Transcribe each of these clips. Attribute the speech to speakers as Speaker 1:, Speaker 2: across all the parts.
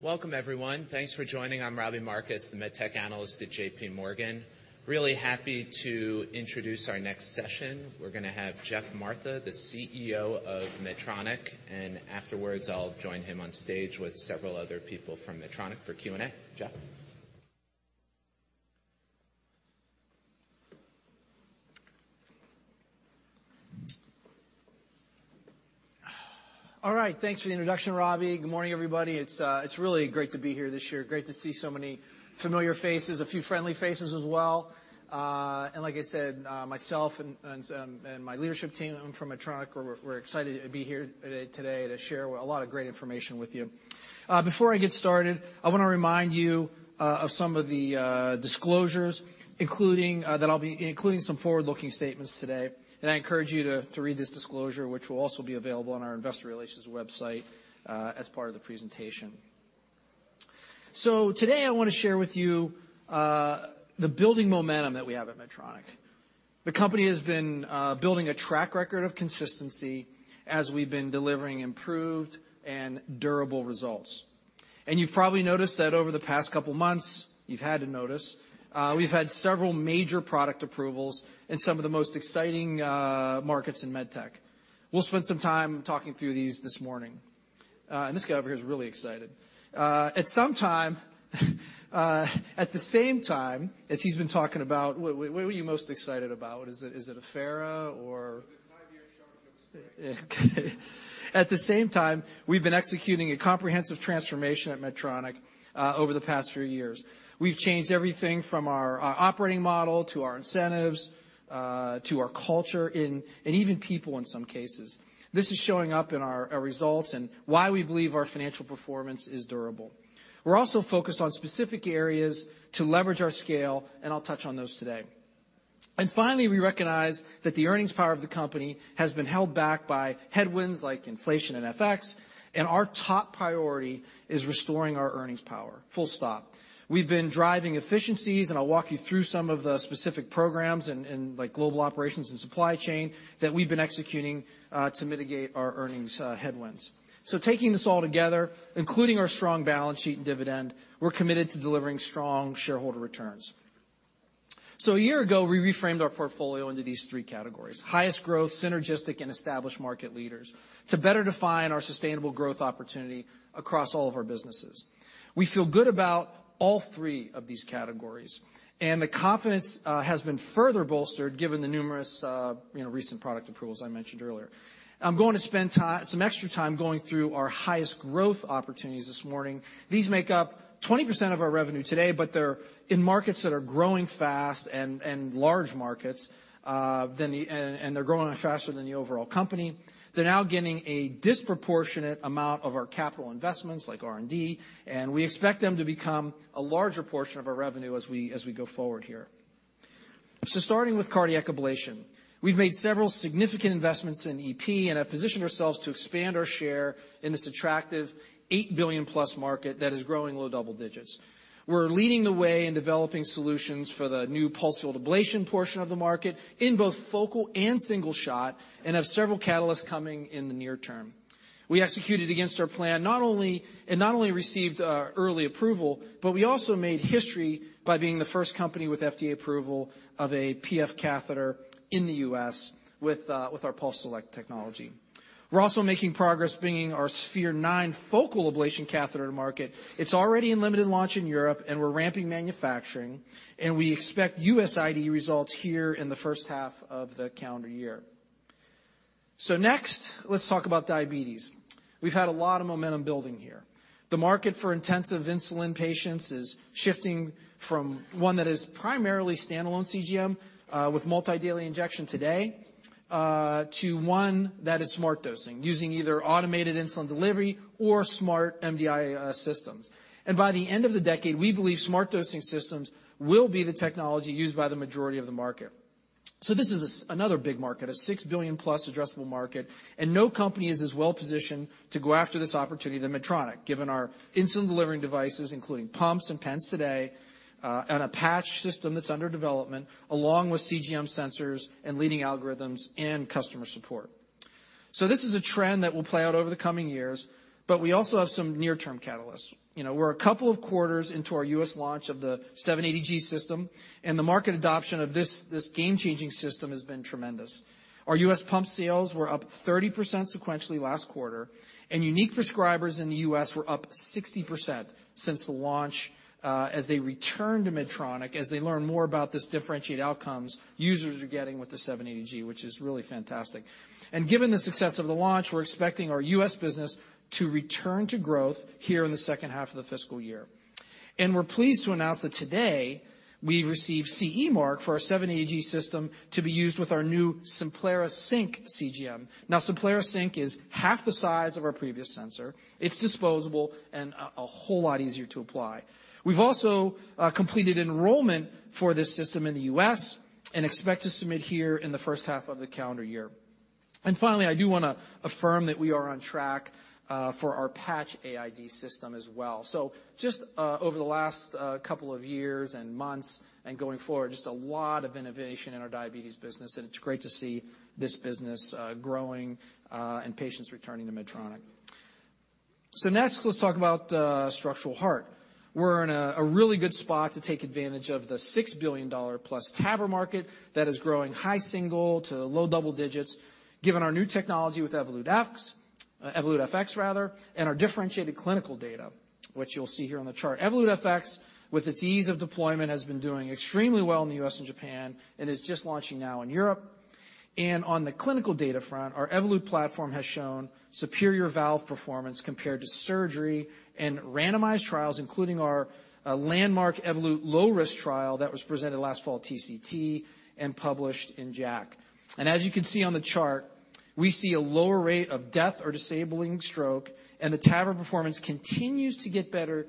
Speaker 1: Welcome, everyone. Thanks for joining. I'm Robbie Marcus, the MedTech analyst at JPMorgan. Really happy to introduce our next session. We're gonna have Geoff Martha, the CEO of Medtronic, and afterwards, I'll join him on stage with several other people from Medtronic for Q&A. Geoff?
Speaker 2: All right, thanks for the introduction, Robbie. Good morning, everybody. It's really great to be here this year. Great to see so many familiar faces, a few friendly faces as well. And like I said, myself and my leadership team from Medtronic, we're excited to be here today to share a lot of great information with you. Before I get started, I wanna remind you of some of the disclosures, including that I'll be including some forward-looking statements today, and I encourage you to read this disclosure, which will also be available on our investor relations website as part of the presentation. So today I wanna share with you the building momentum that we have at Medtronic. The company has been building a track record of consistency as we've been delivering improved and durable results. And you've probably noticed that over the past couple of months, you've had to notice, we've had several major product approvals in some of the most exciting markets in med tech. We'll spend some time talking through these this morning. And this guy over here is really excited. At some time, at the same time as he's been talking about... What were you most excited about? Is it, is it Affera or- Okay. At the same time, we've been executing a comprehensive transformation at Medtronic over the past few years. We've changed everything from our operating model to our incentives to our culture and even people in some cases. This is showing up in our results and why we believe our financial performance is durable. We're also focused on specific areas to leverage our scale, and I'll touch on those today. And finally, we recognize that the earnings power of the company has been held back by headwinds like inflation and FX, and our top priority is restoring our earnings power, full stop. We've been driving efficiencies, and I'll walk you through some of the specific programs in, like, global operations and supply chain that we've been executing to mitigate our earnings headwinds. So taking this all together, including our strong balance sheet and dividend, we're committed to delivering strong shareholder returns. So a year ago, we reframed our portfolio into these three categories: highest growth, synergistic, and established market leaders, to better define our sustainable growth opportunity across all of our businesses. We feel good about all three of these categories, and the confidence has been further bolstered given the numerous, you know, recent product approvals I mentioned earlier. I'm going to spend some extra time going through our highest growth opportunities this morning. These make up 20% of our revenue today, but they're in markets that are growing fast and large markets than the... And they're growing faster than the overall company. They're now getting a disproportionate amount of our capital investments, like R&D, and we expect them to become a larger portion of our revenue as we go forward here. So starting with cardiac ablation, we've made several significant investments in EP and have positioned ourselves to expand our share in this attractive $8 billion-plus market that is growing low double digits. We're leading the way in developing solutions for the new pulsed field ablation portion of the market in both focal and single shot and have several catalysts coming in the near term. We executed against our plan, not only received early approval, but we also made history by being the first company with FDA approval of a PF catheter in the U.S. with our PulseSelect technology. We're also making progress bringing our Sphere-9 focal ablation catheter to market. It's already in limited launch in Europe, and we're ramping manufacturing, and we expect U.S. IDE results here in the first half of the calendar year. So next, let's talk about diabetes. We've had a lot of momentum building here. The market for intensive insulin patients is shifting from one that is primarily standalone CGM, with multi-daily injection today, to one that is smart dosing, using either automated insulin delivery or smart MDI, systems. And by the end of the decade, we believe smart dosing systems will be the technology used by the majority of the market. So this is another big market, a $6 billion-plus addressable market, and no company is as well positioned to go after this opportunity than Medtronic, given our insulin-delivering devices, including pumps and pens today, and a patch system that's under development, along with CGM sensors and leading algorithms and customer support. So this is a trend that will play out over the coming years, but we also have some near-term catalysts. You know, we're a couple of quarters into our U.S. launch of the 780G system, and the market adoption of this, this game-changing system has been tremendous. Our U.S. pump sales were up 30% sequentially last quarter, and unique prescribers in the U.S. were up 60% since the launch, as they return to Medtronic, as they learn more about this differentiated outcomes users are getting with the 780G, which is really fantastic. Given the success of the launch, we're expecting our U.S. business to return to growth here in the second half of the fiscal year. We're pleased to announce that today we've received CE Mark for our 780G system to be used with our new Simplera Sync CGM. Now, Simplera Sync is half the size of our previous sensor. It's disposable and a whole lot easier to apply. We've also completed enrollment for this system in the U.S. and expect to submit here in the first half of the calendar year. And finally, I do want to affirm that we are on track for our Patch AID system as well. So just over the last couple of years and months and going forward, just a lot of innovation in our diabetes business, and it's great to see this business growing and patients returning to Medtronic.... So next, let's talk about structural heart. We're in a really good spot to take advantage of the $6 billion+ TAVR market that is growing high single- to low double-digit, given our new technology with Evolut FX rather, and our differentiated clinical data, which you'll see here on the chart. Evolut FX, with its ease of deployment, has been doing extremely well in the U.S. and Japan, and is just launching now in Europe. On the clinical data front, our Evolut platform has shown superior valve performance compared to surgery and randomized trials, including our landmark Evolut Low Risk trial that was presented last fall at TCT and published in JACC. As you can see on the chart, we see a lower rate of death or disabling stroke, and the TAVR performance continues to get better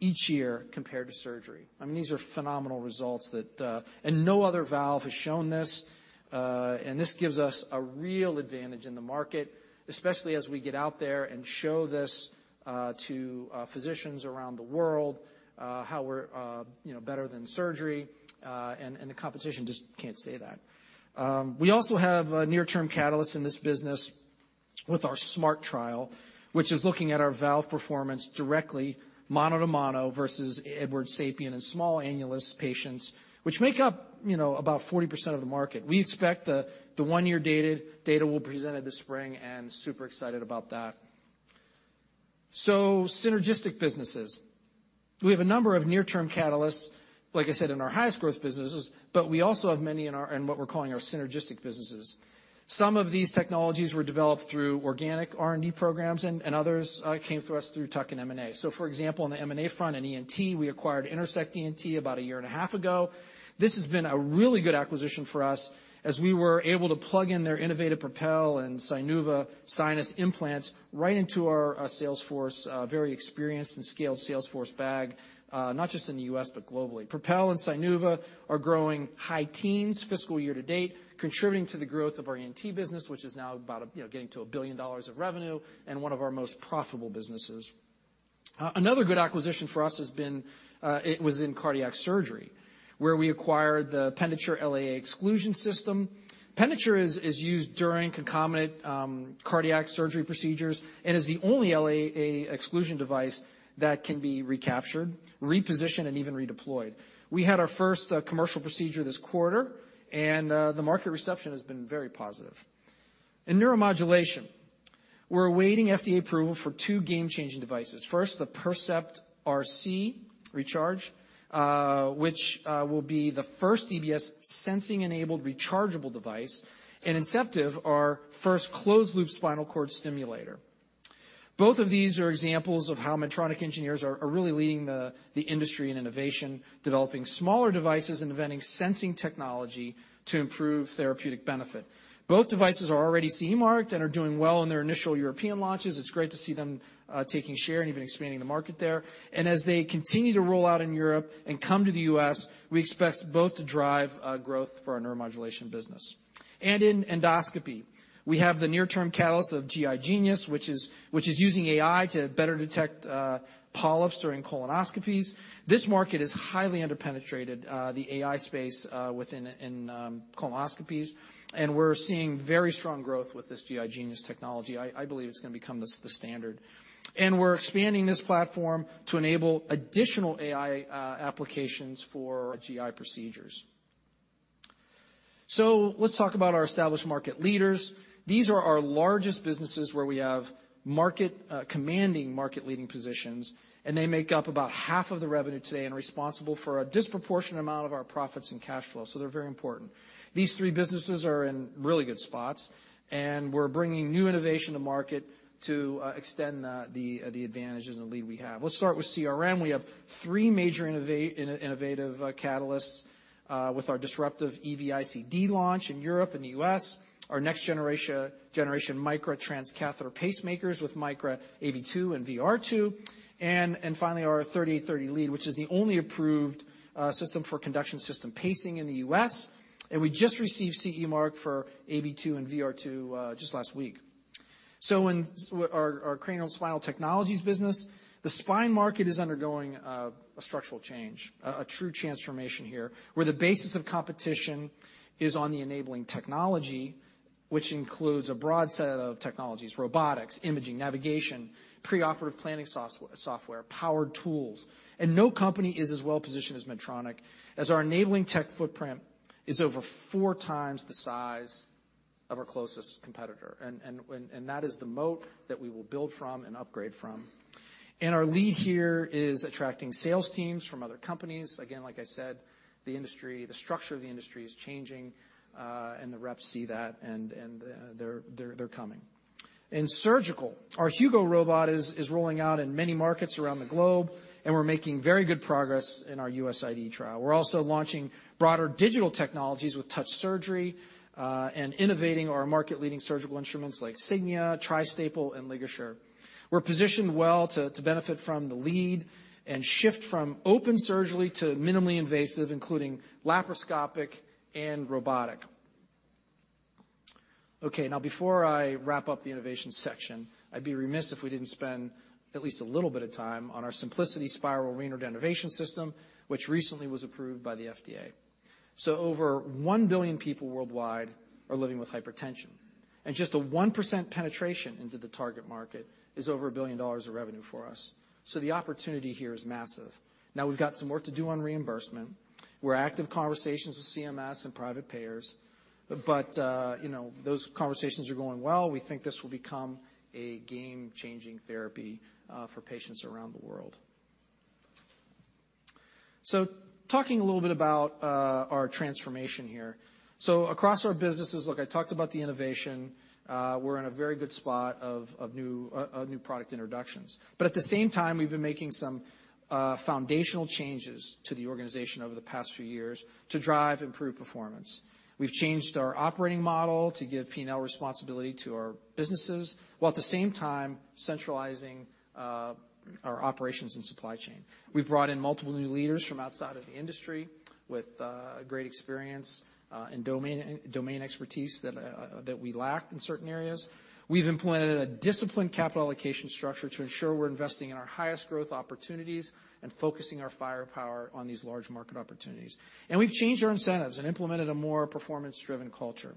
Speaker 2: each year compared to surgery. I mean, these are phenomenal results that... And no other valve has shown this, and this gives us a real advantage in the market, especially as we get out there and show this to physicians around the world, how we're, you know, better than surgery, and the competition just can't say that. We also have near-term catalysts in this business with our SMART Trial, which is looking at our valve performance directly, mano a mano versus Edwards' SAPIEN in small annulus patients, which make up, you know, about 40% of the market. We expect the one-year data will be presented this spring, and super excited about that. So synergistic businesses. We have a number of near-term catalysts, like I said, in our highest growth businesses, but we also have many in our, in what we're calling our synergistic businesses. Some of these technologies were developed through organic R&D programs, and others came to us through tuck-in M&A. So, for example, on the M&A front, in ENT, we acquired Intersect ENT about a year and a half ago. This has been a really good acquisition for us, as we were able to plug in their innovative PROPEL and SINUVA sinus implants right into our sales force very experienced and scaled sales force bag not just in the U.S., but globally. PROPEL and SINUVA are growing high teens fiscal year to date, contributing to the growth of our ENT business, which is now about, you know, getting to $1 billion of revenue and one of our most profitable businesses. Another good acquisition for us has been it was in cardiac surgery, where we acquired the Penditure LAA exclusion system. Penditure is used during concomitant cardiac surgery procedures and is the only LAA exclusion device that can be recaptured, repositioned, and even redeployed. We had our first commercial procedure this quarter, and the market reception has been very positive. In neuromodulation, we're awaiting FDA approval for two game-changing devices. First, the Percept RC, which will be the first DBS sensing-enabled rechargeable device, and Inceptiv, our first closed-loop spinal cord stimulator. Both of these are examples of how Medtronic engineers are really leading the industry in innovation, developing smaller devices and inventing sensing technology to improve therapeutic benefit. Both devices are already CE marked and are doing well in their initial European launches. It's great to see them taking share and even expanding the market there. As they continue to roll out in Europe and come to the U.S., we expect both to drive growth for our neuromodulation business. In endoscopy, we have the near-term catalyst of GI Genius, which is using AI to better detect polyps during colonoscopies. This market is highly underpenetrated, the AI space within colonoscopies, and we're seeing very strong growth with this GI Genius technology. I believe it's gonna become the standard. And we're expanding this platform to enable additional AI applications for GI procedures. So let's talk about our established market leaders. These are our largest businesses where we have market commanding market-leading positions, and they make up about half of the revenue today and are responsible for a disproportionate amount of our profits and cash flow, so they're very important. These three businesses are in really good spots, and we're bringing new innovation to market to extend the advantage and the lead we have. Let's start with CRM. We have three major innovative catalysts with our disruptive EV-ICD launch in Europe and the U.S., our next generation Micra transcatheter pacemakers with Micra AV2 and VR2, and finally, our 3830 lead, which is the only approved system for conduction system pacing in the U.S. We just received CE Mark for AV2 and VR2 just last week. So in our cranial spinal technologies business, the spine market is undergoing a structural change, a true transformation here, where the basis of competition is on the enabling technology, which includes a broad set of technologies, robotics, imaging, navigation, preoperative planning software, powered tools. And no company is as well positioned as Medtronic, as our enabling tech footprint is over four times the size of our closest competitor. And when... That is the moat that we will build from and upgrade from. Our lead here is attracting sales teams from other companies. Again, like I said, the industry, the structure of the industry is changing, and the reps see that, and they're coming. In surgical, our Hugo robot is rolling out in many markets around the globe, and we're making very good progress in our U.S. IDE trial. We're also launching broader digital technologies with Touch Surgery, and innovating our market-leading surgical instruments like Signia, Tri-Staple, and LigaSure. We're positioned well to benefit from the lead and shift from open surgery to minimally invasive, including laparoscopic and robotic. Okay, now, before I wrap up the innovation section, I'd be remiss if we didn't spend at least a little bit of time on our Symplicity Spyral renal denervation system, which recently was approved by the FDA. So over 1 billion people worldwide are living with hypertension, and just a 1% penetration into the target market is over $1 billion of revenue for us. So the opportunity here is massive. Now we've got some work to do on reimbursement. We're active conversations with CMS and private payers, but, you know, those conversations are going well. We think this will become a game-changing therapy for patients around the world. So talking a little bit about our transformation here. So across our businesses, look, I talked about the innovation, we're in a very good spot of new product introductions. But at the same time, we've been making some foundational changes to the organization over the past few years to drive improved performance. We've changed our operating model to give P&L responsibility to our businesses, while at the same time centralizing our operations and supply chain. We've brought in multiple new leaders from outside of the industry with great experience and domain expertise that we lacked in certain areas. We've implemented a disciplined capital allocation structure to ensure we're investing in our highest growth opportunities and focusing our firepower on these large market opportunities. And we've changed our incentives and implemented a more performance-driven culture.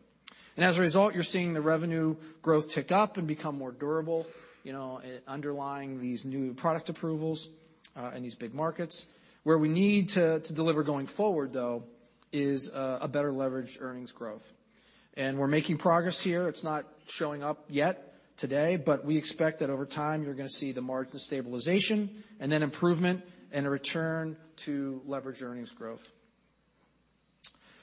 Speaker 2: And as a result, you're seeing the revenue growth tick up and become more durable, you know, underlying these new product approvals in these big markets. Where we need to deliver going forward, though, is a better leverage earnings growth. We're making progress here. It's not showing up yet today, but we expect that over time you're gonna see the margin stabilization and then improvement and a return to leverage earnings growth.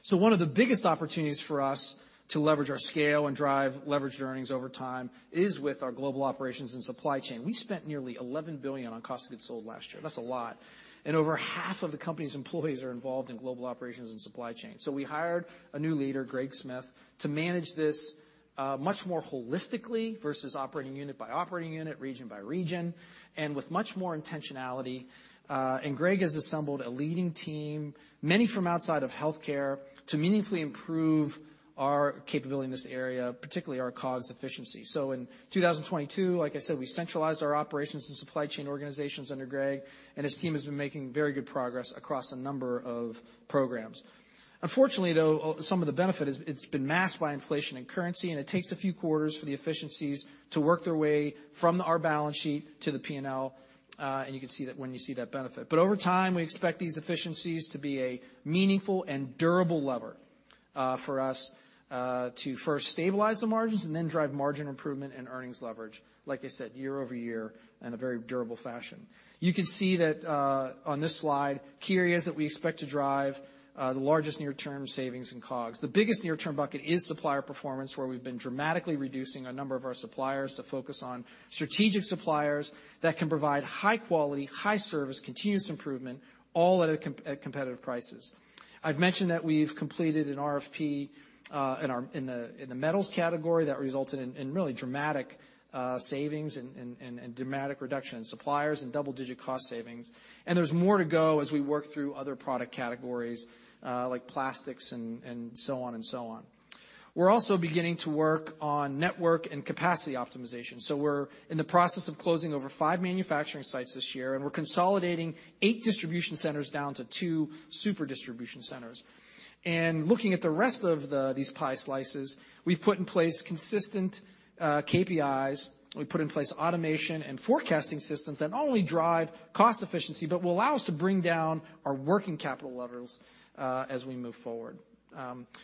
Speaker 2: So one of the biggest opportunities for us to leverage our scale and drive leveraged earnings over time is with our global operations and supply chain. We spent nearly $11 billion on cost of goods sold last year. That's a lot. Over half of the company's employees are involved in global operations and supply chain. So we hired a new leader, Greg Smith, to manage this much more holistically versus operating unit by operating unit, region by region, and with much more intentionality. And Greg has assembled a leading team, many from outside of healthcare, to meaningfully improve our capability in this area, particularly our COGS efficiency. So in 2022, like I said, we centralized our operations and supply chain organizations under Greg, and his team has been making very good progress across a number of programs. Unfortunately, though, some of the benefit is—it's been masked by inflation and currency, and it takes a few quarters for the efficiencies to work their way from our balance sheet to the P&L, and you can see that when you see that benefit. But over time, we expect these efficiencies to be a meaningful and durable lever for us to first stabilize the margins and then drive margin improvement and earnings leverage, like I said, year-over-year, in a very durable fashion. You can see that, on this slide, key areas that we expect to drive, the largest near-term savings in COGS. The biggest near-term bucket is supplier performance, where we've been dramatically reducing a number of our suppliers to focus on strategic suppliers that can provide high quality, high service, continuous improvement, all at competitive prices. I've mentioned that we've completed an RFP in the metals category that resulted in really dramatic savings and dramatic reduction in suppliers and double-digit cost savings. And there's more to go as we work through other product categories, like plastics and so on and so on. We're also beginning to work on network and capacity optimization, so we're in the process of closing over five manufacturing sites this year, and we're consolidating eight distribution centers down to two super distribution centers. And looking at the rest of the, these pie slices, we've put in place consistent KPIs. We've put in place automation and forecasting systems that not only drive cost efficiency, but will allow us to bring down our working capital levels as we move forward.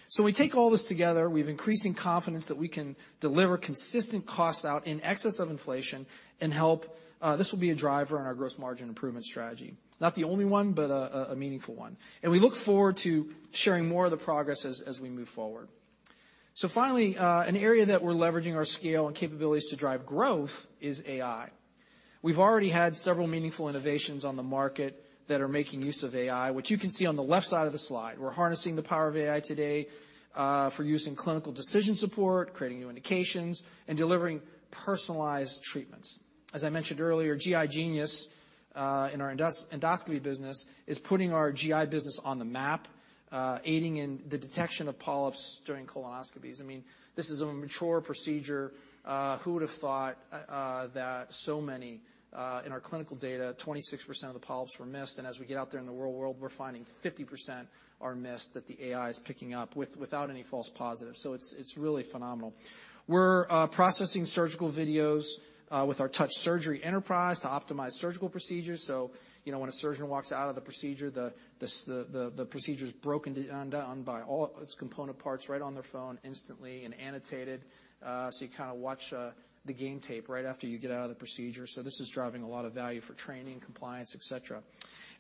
Speaker 2: So we take all this together. We've increasing confidence that we can deliver consistent costs out in excess of inflation and help. This will be a driver on our gross margin improvement strategy. Not the only one, but a meaningful one. And we look forward to sharing more of the progress as we move forward. So finally, an area that we're leveraging our scale and capabilities to drive growth is AI. We've already had several meaningful innovations on the market that are making use of AI, which you can see on the left side of the slide. We're harnessing the power of AI today, for use in clinical decision support, creating new indications, and delivering personalized treatments. As I mentioned earlier, GI Genius, in our endoscopy business, is putting our GI business on the map, aiding in the detection of polyps during colonoscopies. I mean, this is a mature procedure. Who would have thought that so many, in our clinical data, 26% of the polyps were missed? And as we get out there in the real world, we're finding 50% are missed, that the AI is picking up without any false positives. So it's really phenomenal. We're processing surgical videos with our Touch Surgery enterprise to optimize surgical procedures. So, you know, when a surgeon walks out of the procedure, the procedure is broken down by all its component parts right on their phone instantly and annotated. So you kinda watch the game tape right after you get out of the procedure. So this is driving a lot of value for training, compliance, et cetera.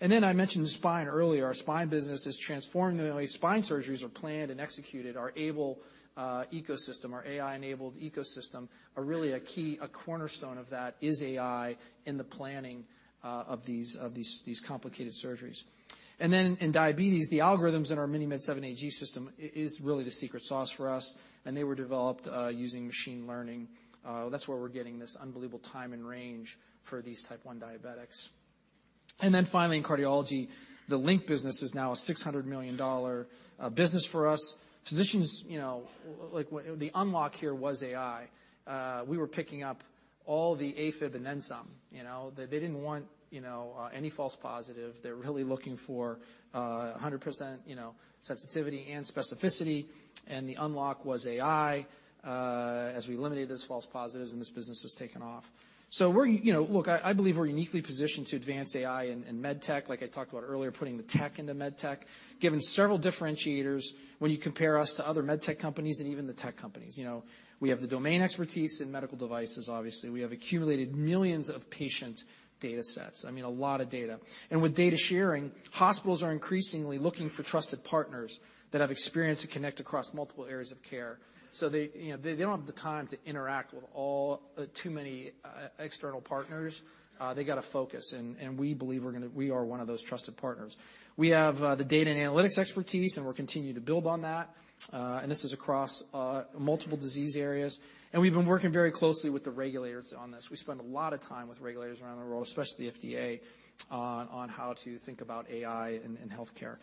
Speaker 2: And then I mentioned spine earlier. Our spine business is transforming the way spine surgeries are planned and executed. Our AiBLE ecosystem, our AI-enabled ecosystem, are really a key... A cornerstone of that is AI in the planning of these complicated surgeries. And then in diabetes, the algorithms in our MiniMed 780G system is really the secret sauce for us, and they were developed using machine learning. That's where we're getting this unbelievable time and range for these Type 1 diabetics. And then finally, in cardiology, the LINQ business is now a $600 million business for us. Physicians, you know, like, the unlock here was AI. We were picking up all the AFib and then some. You know, they, they didn't want any false positive. They're really looking for 100% sensitivity and specificity, and the unlock was AI as we eliminated those false positives, and this business has taken off. So we're, you know... Look, I believe we're uniquely positioned to advance AI in med tech, like I talked about earlier, putting the tech into med tech, given several differentiators when you compare us to other med tech companies and even the tech companies. You know, we have the domain expertise in medical devices, obviously. We have accumulated millions of patient data sets. I mean, a lot of data. And with data sharing, hospitals are increasingly looking for trusted partners that have experience to connect across multiple areas of care. So they, you know, they don't have the time to interact with all too many external partners. They gotta focus, and we believe we're gonna, we are one of those trusted partners. We have the data and analytics expertise, and we're continuing to build on that, and this is across multiple disease areas. We've been working very closely with the regulators on this. We spend a lot of time with regulators around the world, especially the FDA, on how to think about AI in, in healthcare.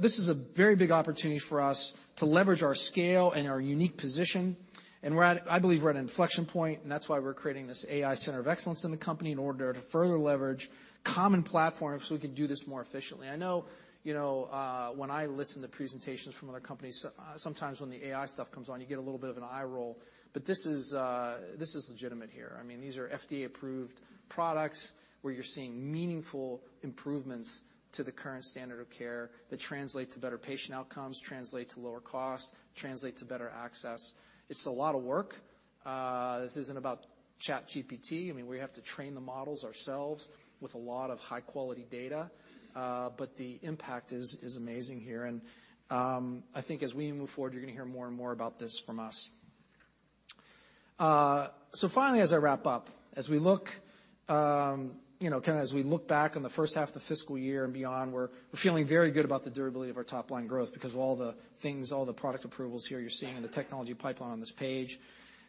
Speaker 2: This is a very big opportunity for us to leverage our scale and our unique position. We're at, I believe we're at an inflection point, and that's why we're creating this AI center of excellence in the company in order to further leverage common platforms, so we can do this more efficiently. I know, you know, when I listen to presentations from other companies, sometimes when the AI stuff comes on, you get a little bit of an eye roll, but this is, this is legitimate here. I mean, these are FDA-approved products, where you're seeing meaningful improvements to the current standard of care that translate to better patient outcomes, translate to lower cost, translate to better access. It's a lot of work. This isn't about ChatGPT. I mean, we have to train the models ourselves with a lot of high-quality data, but the impact is, is amazing here. And, I think as we move forward, you're gonna hear more and more about this from us. So finally, as I wrap up, as we look, you know, kinda as we look back on the first half of the fiscal year and beyond, we're, we're feeling very good about the durability of our top-line growth because of all the things, all the product approvals here you're seeing in the technology pipeline on this page.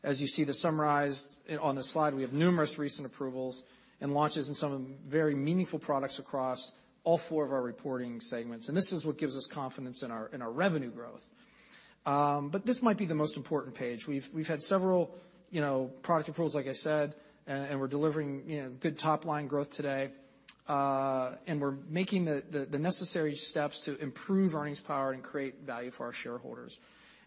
Speaker 2: As you see the summarized on this slide, we have numerous recent approvals and launches in some of the very meaningful products across all four of our reporting segments, and this is what gives us confidence in our, in our revenue growth. But this might be the most important page. We've, we've had several, you know, product approvals, like I said, and, and we're delivering, you know, good top-line growth today. And we're making the, the, the necessary steps to improve earnings power and create value for our shareholders.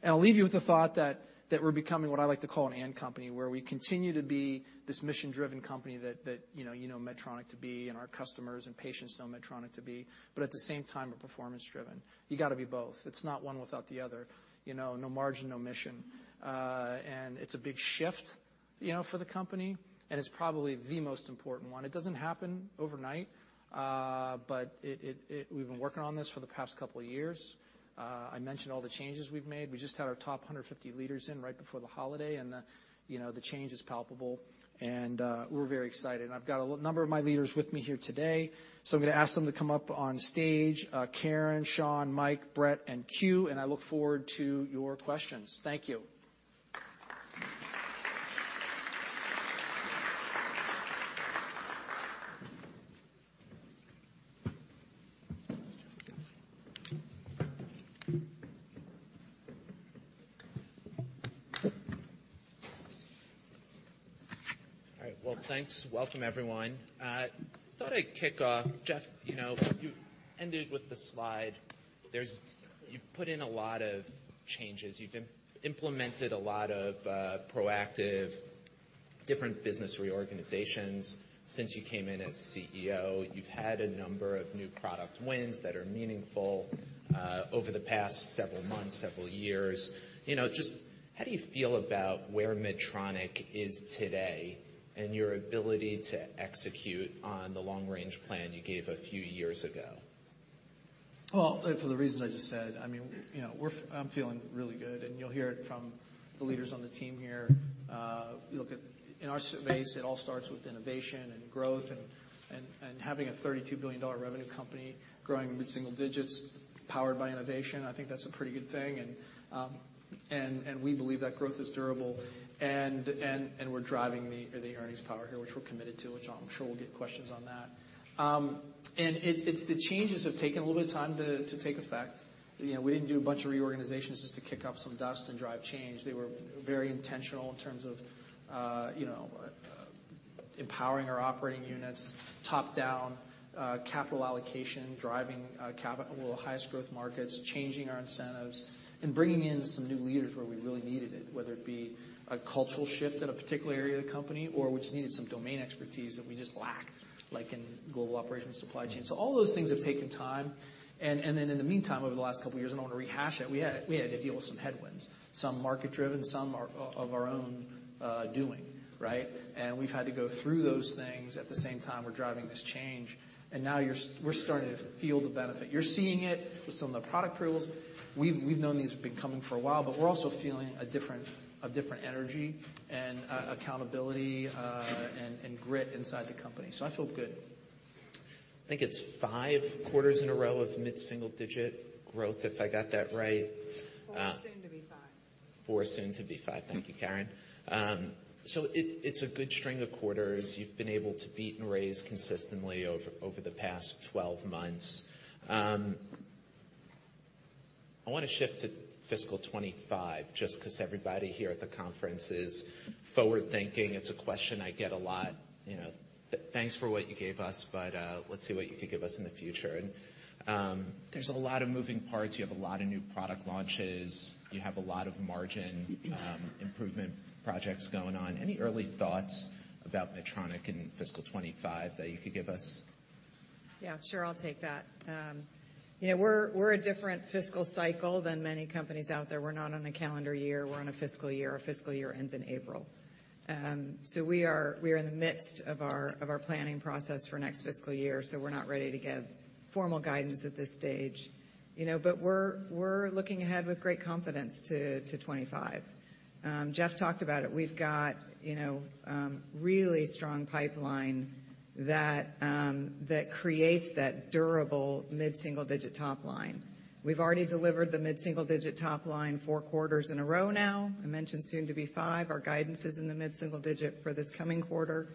Speaker 2: And I'll leave you with the thought that, that we're becoming what I like to call an and company, where we continue to be this mission-driven company that, that, you know, you know Medtronic to be, and our customers and patients know Medtronic to be, but at the same time, we're performance driven. You gotta be both. It's not one without the other. You know, no margin, no mission. And it's a big shift, you know, for the company, and it's probably the most important one. It doesn't happen overnight, but we've been working on this for the past couple of years. I mentioned all the changes we've made. We just had our top 150 leaders in right before the holiday, and the, you know, the change is palpable, and we're very excited. And I've got a large number of my leaders with me here today, so I'm gonna ask them to come up on stage. Karen, Sean, Mike, Brett, and Que, and I look forward to your questions. Thank you.
Speaker 1: All right. Well, thanks. Welcome, everyone. I thought I'd kick off. Geoff, you know, you ended with the slide. There's... You've put in a lot of changes. You've implemented a lot of proactive, different business reorganizations since you came in as CEO. You've had a number of new product wins that are meaningful over the past several months, several years. You know, just how do you feel about where Medtronic is today, and your ability to execute on the long-range plan you gave a few years ago?
Speaker 2: Well, for the reasons I just said, I mean, you know, I'm feeling really good, and you'll hear it from the leaders on the team here. Look, in our space, it all starts with innovation and growth and having a $32 billion revenue company growing mid-single digits, powered by innovation, I think that's a pretty good thing. We believe that growth is durable, and we're driving the earnings power here, which we're committed to, which I'm sure we'll get questions on that. It's the changes have taken a little bit of time to take effect. You know, we didn't do a bunch of reorganizations just to kick up some dust and drive change. They were very intentional in terms of, you know, empowering our operating units, top-down, capital allocation, driving, well, highest growth markets, changing our incentives, and bringing in some new leaders where we really needed it, whether it be a cultural shift at a particular area of the company or we just needed some domain expertise that we just lacked, like in global operations, supply chain. So all those things have taken time. And then in the meantime, over the last couple of years, I don't want to rehash it, we had to deal with some headwinds, some market-driven, some of our own doing, right? And we've had to go through those things. At the same time, we're driving this change, and now we're starting to feel the benefit. You're seeing it with some of the product approvals. We've known these have been coming for a while, but we're also feeling a different energy and accountability and grit inside the company, so I feel good.
Speaker 1: I think it's five quarters in a row of mid-single digit growth, if I got that right,
Speaker 3: Well, it's soon to be five....
Speaker 1: Four, soon to be five. Thank you, Karen. So it, it's a good string of quarters. You've been able to beat and raise consistently over the past 12 months. I wanna shift to fiscal 25 just 'cause everybody here at the conference is forward-thinking. It's a question I get a lot, you know. Thanks for what you gave us, but let's see what you could give us in the future. And there's a lot of moving parts. You have a lot of new product launches. You have a lot of margin improvement projects going on. Any early thoughts about Medtronic in fiscal 25 that you could give us?
Speaker 3: Yeah, sure, I'll take that. You know, we're a different fiscal cycle than many companies out there. We're not on a calendar year, we're on a fiscal year. Our fiscal year ends in April. So we are in the midst of our planning process for next fiscal year, so we're not ready to give formal guidance at this stage. You know, but we're looking ahead with great confidence to 25. Geoff talked about it. We've got, you know, really strong pipeline that creates that durable mid-single digit top line. We've already delivered the mid-single digit top line four quarters in a row now. I mentioned soon to be five. Our guidance is in the mid-single digit for this coming quarter.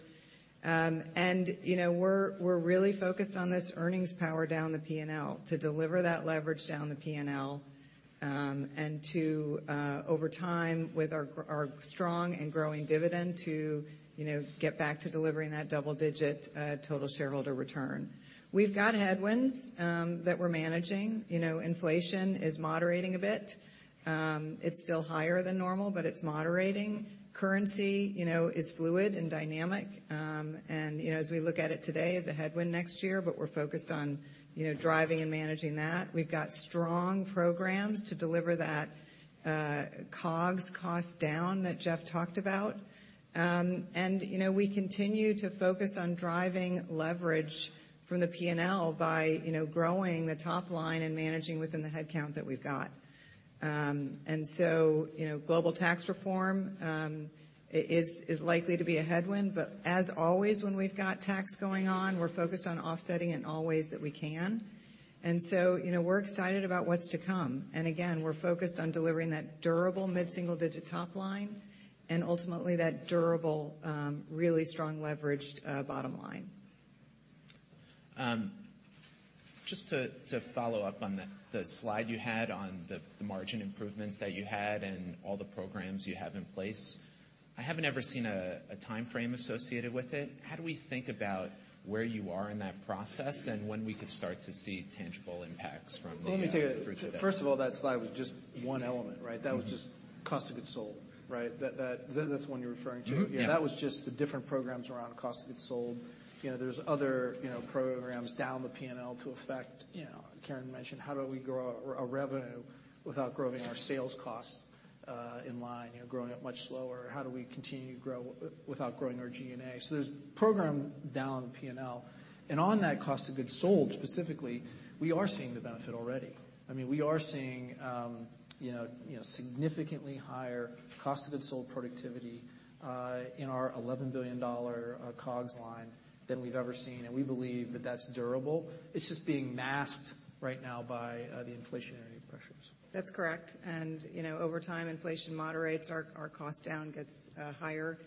Speaker 3: And, you know, we're really focused on this earnings power down the P&L to deliver that leverage down the P&L, and to, over time, with our our strong and growing dividend, to, you know, get back to delivering that double-digit total shareholder return. We've got headwinds that we're managing. You know, inflation is moderating a bit. It's still higher than normal, but it's moderating. Currency, you know, is fluid and dynamic, and, you know, as we look at it today, as a headwind next year, but we're focused on, you know, driving and managing that. We've got strong programs to deliver that, COGS cost down that Geoff talked about. And, you know, we continue to focus on driving leverage from the P&L by, you know, growing the top line and managing within the headcount that we've got. And so, you know, global tax reform is likely to be a headwind, but as always, when we've got tax going on, we're focused on offsetting in all ways that we can. And so, you know, we're excited about what's to come. And again, we're focused on delivering that durable mid-single digit top line and ultimately that durable, really strong leveraged bottom line.
Speaker 1: Just to follow up on the slide you had on the margin improvements that you had and all the programs you have in place, I haven't ever seen a time frame associated with it. How do we think about where you are in that process and when we could start to see tangible impacts from looking at it through today?
Speaker 2: Let me take it. First of all, that slide was just one element, right?
Speaker 1: Mm-hmm.
Speaker 2: That was just cost of goods sold, right? That's the one you're referring to?
Speaker 1: Mm-hmm. Yeah.
Speaker 2: That was just the different programs around cost of goods sold. You know, there's other, you know, programs down the P&L to affect, you know, Karen mentioned, how do we grow our, our revenue without growing our sales costs, in line, you know, growing it much slower? How do we continue to grow without growing our G&A? So there's program down the P&L. And on that cost of goods sold, specifically, we are seeing the benefit already. I mean, we are seeing, you know, you know, significantly higher cost of goods sold productivity, in our $11 billion COGS line than we've ever seen, and we believe that that's durable. It's just being masked right now by, the inflationary pressures.
Speaker 3: That's correct. You know, over time, inflation moderates. Our cost down gets higher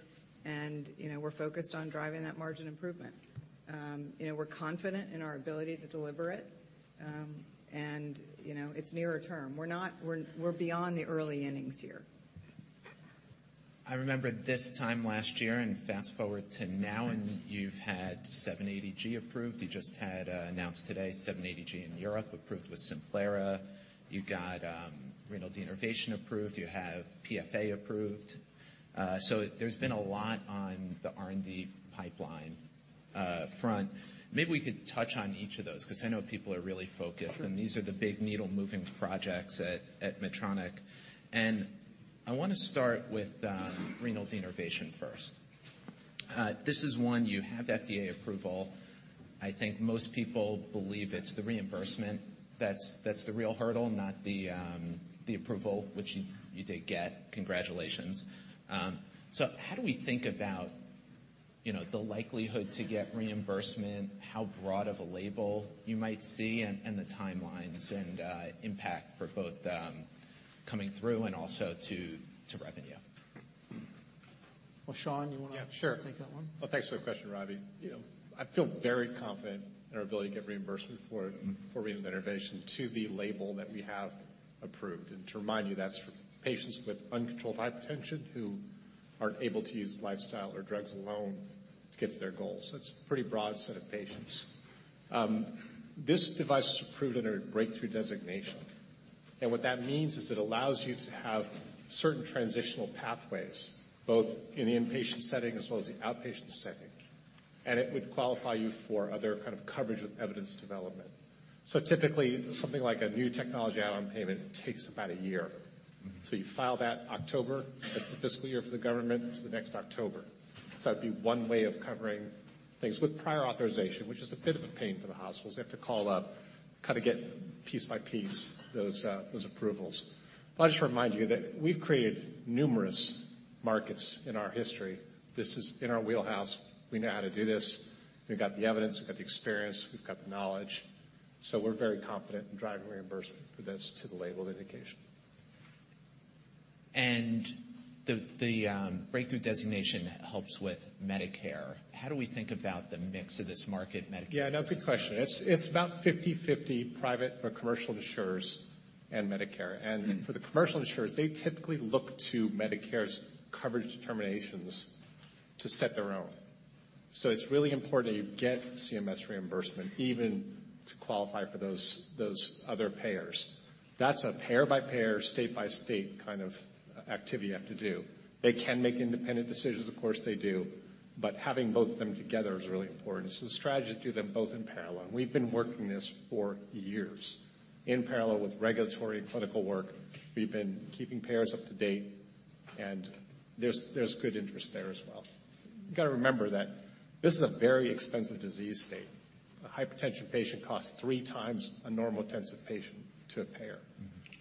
Speaker 3: and, you know, we're focused on driving that margin improvement. You know, we're confident in our ability to deliver it, and, you know, it's nearer term. We're beyond the early innings here.
Speaker 1: I remember this time last year, and fast-forward to now, and you've had 780G approved. You just had announced today, 780G in Europe, approved with Simplera. You've got renal denervation approved. You have PFA approved. So there's been a lot on the R&D pipeline front. Maybe we could touch on each of those, 'cause I know people are really focused-
Speaker 2: Okay.
Speaker 1: These are the big needle-moving projects at Medtronic. I wanna start with renal denervation first. This is one you have FDA approval. I think most people believe it's the reimbursement that's the real hurdle, not the approval, which you did get. Congratulations. So how do we think about, you know, the likelihood to get reimbursement, how broad of a label you might see, and the timelines and impact for both coming through and also to revenue?
Speaker 2: Well, Sean, you wanna-
Speaker 4: Yeah, sure.
Speaker 2: Take that one?
Speaker 4: Well, thanks for the question, Robbie. You know, I feel very confident in our ability to get reimbursement for, for renal denervation to the label that we have approved. And to remind you, that's for patients with uncontrolled hypertension who aren't able to use lifestyle or drugs alone to get to their goals. So it's a pretty broad set of patients. This device is approved under a breakthrough designation, and what that means is it allows you to have certain transitional pathways, both in the inpatient setting as well as the outpatient setting, and it would qualify you for other kind of coverage with evidence development. So typically, something like a new technology add-on payment takes about a year. So you file that October, that's the fiscal year for the government, to the next October. So that'd be one way of covering things with prior authorization, which is a bit of a pain for the hospitals. They have to call up, kind of get piece by piece, those, those approvals. I'll just remind you that we've created numerous markets in our history. This is in our wheelhouse. We know how to do this. We've got the evidence, we've got the experience, we've got the knowledge.... So we're very confident in driving reimbursement for this to the labeled indication.
Speaker 1: The breakthrough designation helps with Medicare. How do we think about the mix of this market, Medicare?
Speaker 4: Yeah, no, good question. It's, it's about 50/50 private or commercial insurers and Medicare. For the commercial insurers, they typically look to Medicare's coverage determinations to set their own. So it's really important that you get CMS reimbursement even to qualify for those, those other payers. That's a payer-by-payer, state-by-state kind of activity you have to do. They can make independent decisions, of course, they do, but having both of them together is really important. So the strategy to do them both in parallel, and we've been working this for years. In parallel with regulatory clinical work, we've been keeping payers up to date, and there's, there's good interest there as well. You've got to remember that this is a very expensive disease state. A hypertension patient costs 3x a normal intensive patient to a payer.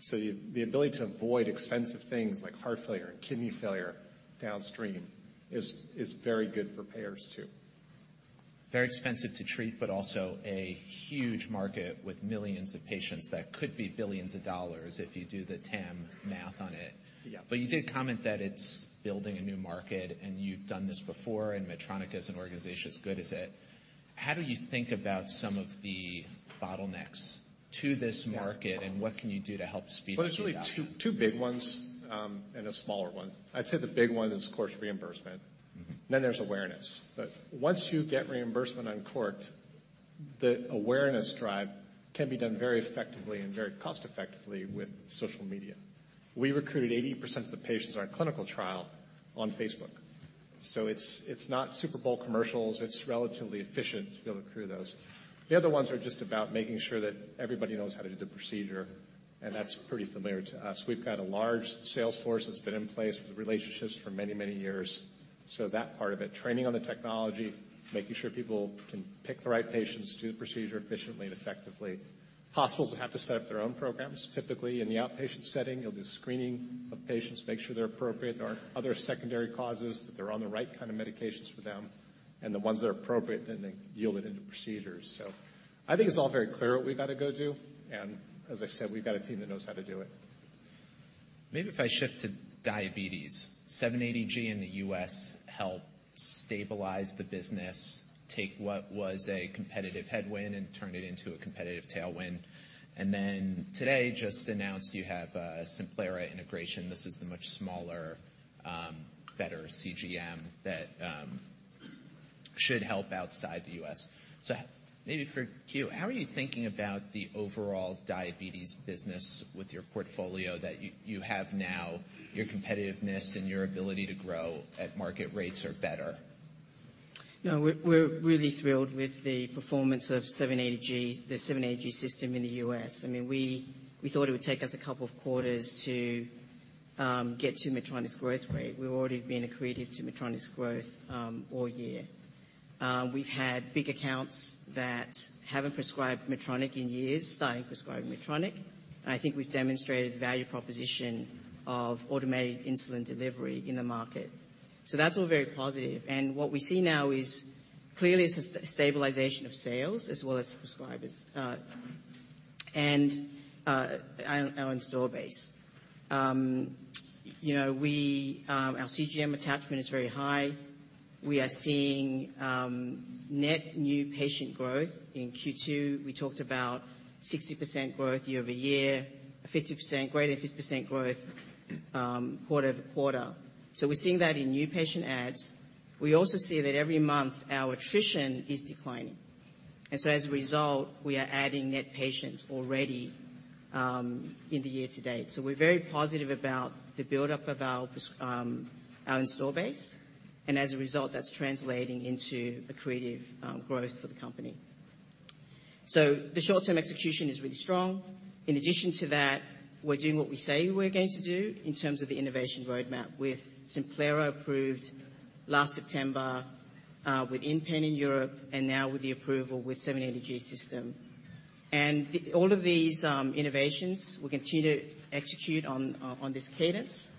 Speaker 4: So the ability to avoid expensive things like heart failure and kidney failure downstream is very good for payers, too.
Speaker 1: Very expensive to treat, but also a huge market with millions of patients that could be billions of dollars if you do the TAM math on it.
Speaker 4: Yeah.
Speaker 1: But you did comment that it's building a new market, and you've done this before, and Medtronic as an organization is good at it. How do you think about some of the bottlenecks to this market-
Speaker 4: Yeah.
Speaker 1: And what can you do to help speed up?
Speaker 4: Well, there's really two, two big ones, and a smaller one. I'd say the big one is, of course, reimbursement.
Speaker 1: Mm-hmm.
Speaker 4: Then there's awareness. But once you get reimbursement of course, the awareness drive can be done very effectively and very cost-effectively with social media. We recruited 80% of the patients in our clinical trial on Facebook. So it's, it's not Super Bowl commercials, it's relatively efficient to be able to accrue those. The other ones are just about making sure that everybody knows how to do the procedure, and that's pretty familiar to us. We've got a large sales force that's been in place with relationships for many, many years. So that part of it, training on the technology, making sure people can pick the right patients, do the procedure efficiently and effectively. Hospitals will have to set up their own programs. Typically, in the outpatient setting, you'll do screening of patients, make sure they're appropriate. There are other secondary causes that they're on the right kind of medications for them, and the ones that are appropriate, then they yield it into procedures. So I think it's all very clear what we've got to go do, and as I said, we've got a team that knows how to do it.
Speaker 1: Maybe if I shift to diabetes. 780G in the U.S. helped stabilize the business, take what was a competitive headwind and turn it into a competitive tailwind. And then today, just announced you have a Simplera integration. This is the much smaller, better CGM that should help outside the U.S. So maybe for Que, how are you thinking about the overall diabetes business with your portfolio that you, you have now, your competitiveness and your ability to grow at market rates or better?
Speaker 5: You know, we're really thrilled with the performance of 780G, the 780G system in the U.S. I mean, we thought it would take us a couple of quarters to get to Medtronic's growth rate. We've already been accretive to Medtronic's growth all year. We've had big accounts that haven't prescribed Medtronic in years, starting prescribing Medtronic. And I think we've demonstrated value proposition of automated insulin delivery in the market. So that's all very positive. And what we see now is clearly a stabilization of sales as well as prescribers and our install base. You know, our CGM attachment is very high. We are seeing net new patient growth. In Q2, we talked about 60% growth year-over-year, 50%, greater than 50% growth quarter-over-quarter. So we're seeing that in new patient adds. We also see that every month, our attrition is declining, and so as a result, we are adding net patients already in the year to date. So we're very positive about the buildup of our our install base, and as a result, that's translating into accretive growth for the company. So the short-term execution is really strong. In addition to that, we're doing what we say we're going to do in terms of the innovation roadmap with Simplera approved last September with InPen in Europe, and now with the approval with 780G system. And the... All of these innovations, we continue to execute on this cadence,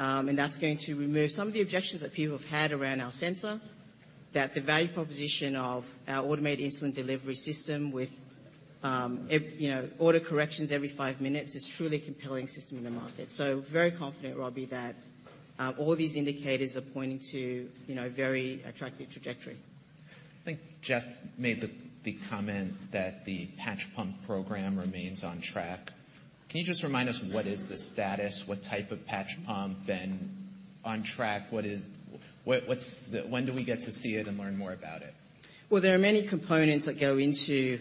Speaker 5: and that's going to remove some of the objections that people have had around our sensor, that the value proposition of our automated insulin delivery system with, you know, auto corrections every five minutes is truly a compelling system in the market. So very confident, Robbie, that all these indicators are pointing to, you know, a very attractive trajectory.
Speaker 1: I think Geoff made the comment that the patch pump program remains on track. Can you just remind us, what is the status? What type of patch pump and on track, what's the... When do we get to see it and learn more about it?
Speaker 5: Well, there are many components that go into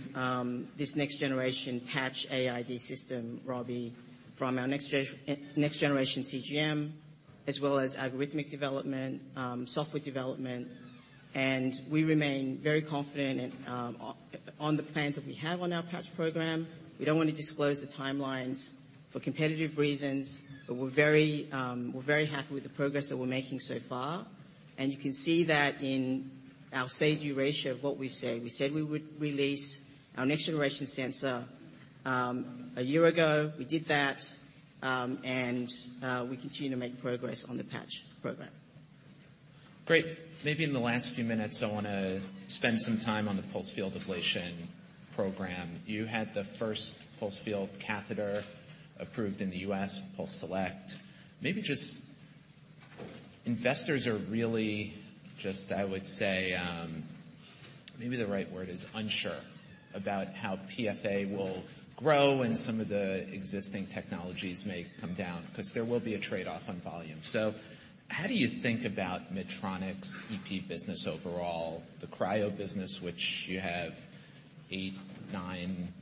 Speaker 5: this next generation patch AID system, Robbie, from our next generation, next generation CGM, as well as algorithmic development, software development, and we remain very confident in on the plans that we have on our patch program. We don't want to disclose the timelines for competitive reasons, but we're very, we're very happy with the progress that we're making so far. And you can see that in our stage ratio of what we've said. We said we would release our next generation sensor a year ago. We did that, and we continue to make progress on the patch program....
Speaker 1: Great! Maybe in the last few minutes, I wanna spend some time on the pulse field ablation program. You had the first pulse field catheter approved in the U.S., PulseSelect. Maybe just, investors are really just, I would say, maybe the right word is unsure about how PFA will grow, and some of the existing technologies may come down, because there will be a trade-off on volume. So how do you think about Medtronic's EP business overall, the cryo business, which you have eight, nine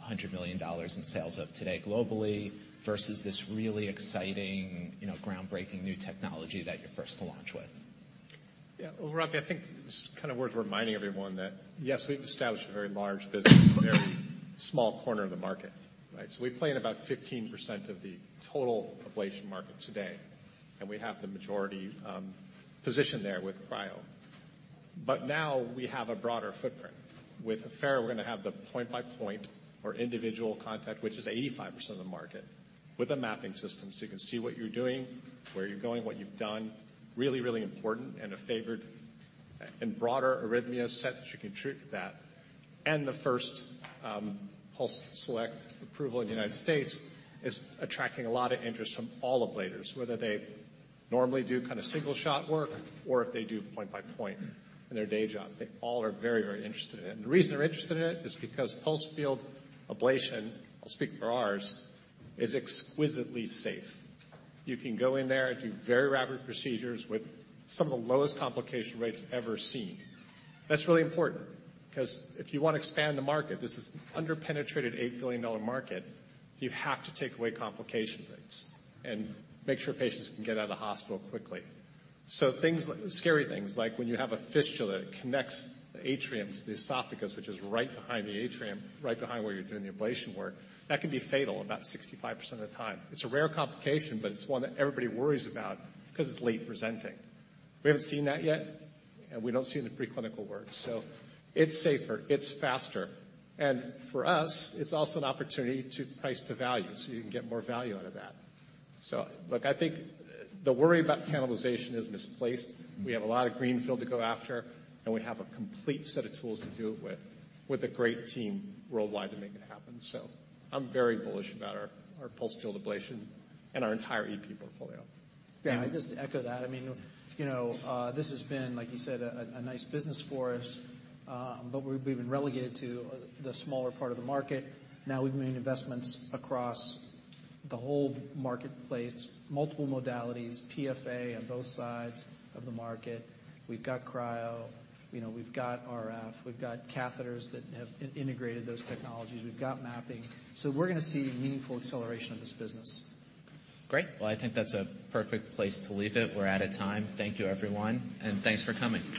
Speaker 1: hundred million dollars in sales of today globally, versus this really exciting, you know, groundbreaking new technology that you're first to launch with?
Speaker 4: Yeah, well, Robbie, I think it's kind of worth reminding everyone that, yes, we've established a very large business in a very small corner of the market, right? So we play in about 15% of the total ablation market today, and we have the majority position there with cryo. But now we have a broader footprint. With Affera, we're gonna have the point-by-point or individual contact, which is 85% of the market, with a mapping system, so you can see what you're doing, where you're going, what you've done. Really, really important and a favored and broader arrhythmia set that you can treat with that. And the first PulseSelect approval in the United States is attracting a lot of interest from all ablaters, whether they normally do kind of single-shot work or if they do point-by-point in their day job. They all are very, very interested in it. The reason they're interested in it is because pulsed field ablation, I'll speak for ours, is exquisitely safe. You can go in there and do very rapid procedures with some of the lowest complication rates ever seen. That's really important because if you want to expand the market, this is an under-penetrated $8 billion market, you have to take away complication rates and make sure patients can get out of the hospital quickly. So things like scary things, like when you have a fistula that connects the atrium to the esophagus, which is right behind the atrium, right behind where you're doing the ablation work, that can be fatal about 65% of the time. It's a rare complication, but it's one that everybody worries about because it's late presenting. We haven't seen that yet, and we don't see it in the preclinical work, so it's safer, it's faster. And for us, it's also an opportunity to price to value, so you can get more value out of that. So look, I think the worry about cannibalization is misplaced. We have a lot of greenfield to go after, and we have a complete set of tools to do it with, with a great team worldwide to make it happen. So I'm very bullish about our, our pulsed field ablation and our entire EP portfolio.
Speaker 2: Yeah, I just echo that. I mean, you know, this has been, like you said, a nice business for us, but we've been relegated to the smaller part of the market. Now, we've made investments across the whole marketplace, multiple modalities, PFA on both sides of the market. We've got cryo, you know, we've got RF, we've got catheters that have integrated those technologies. We've got mapping. So we're gonna see meaningful acceleration of this business.
Speaker 1: Great. Well, I think that's a perfect place to leave it. We're out of time. Thank you, everyone, and thanks for coming.